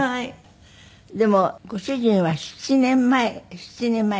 でもご主人は７年前７年前に？